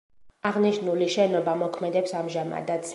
აღნიშნული შენობა მოქმედებს ამჟამადაც.